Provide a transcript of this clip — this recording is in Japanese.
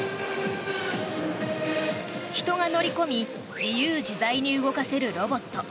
人が乗り込み自由自在に動かせるロボット。